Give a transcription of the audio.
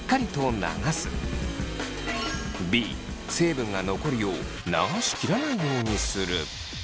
Ｂ成分が残るよう流し切らないようにする。